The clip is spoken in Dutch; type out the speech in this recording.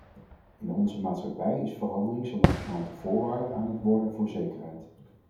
In onze maatschappij is verandering zo langzamerhand de voorwaarde aan het worden voor zekerheid.